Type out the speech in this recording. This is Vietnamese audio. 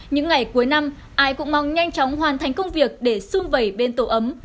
những ngày cuối năm ai cũng mong nhanh chóng hoàn thành công việc để xung vầy bên tổ ấm